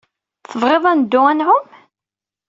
Tebɣiḍ ad neddu ad nɛum?